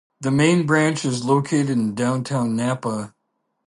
The main branch is located in downtown Napa.